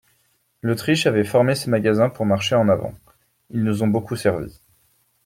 L'Autriche avait formé ces magasins pour marcher en avant ; ils nous ont beaucoup servi.